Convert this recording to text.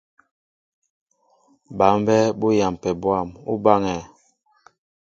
Bǎ mbɛ́ɛ́ bú yampɛ bwâm, ú báŋɛ́ɛ̄.